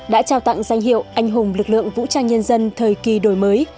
đã trao tặng danh hiệu anh hùng lực lượng vũ trang nhân dân thời kỳ đổi mới